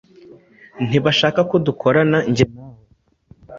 Ntibashaka ko dukorana njye nawe.